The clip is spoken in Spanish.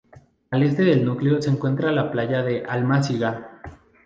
Al este del núcleo se encuentra la playa de Almáciga.